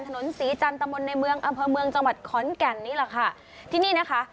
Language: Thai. ถนนศรีจันทร์ตะมนต์ในเมืองอำเภอเมืองจังหวัดขอนแก่นนี่แหละค่ะที่นี่นะคะ